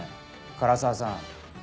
唐沢さん。